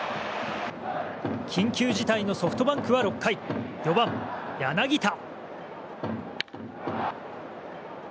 緊急事態のソフトバンクは６回４番、柳田。